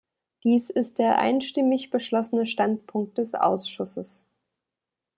Dies ist der einstimmig beschlossene Standpunkt des Ausschusses.